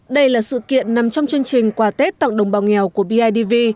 đây là sự kiện nằm trong chương trình quà tết tặng đồng bào nghèo của bidv